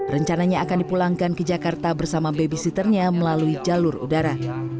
rencananya akan dipulangkan ke jakarta bersama babysitternya melalui jalur udara